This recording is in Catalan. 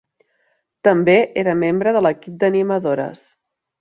També era membre de l"equip d"animadores.